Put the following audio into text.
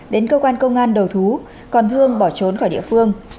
đến cơ quan công an đầu thú còn hương bỏ trốn khỏi địa phương